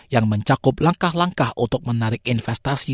yang mencakup langkah langkah untuk menarik investasi